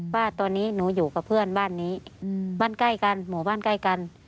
ว่าตอนนี้หนูอยู่กับเพื่อนบ้านนี้บ้านใกล้กันหมู่บ้านใกล้กัน